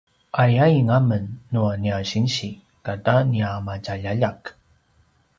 ayain amen nua nia sinsi kata nia matjaljaljak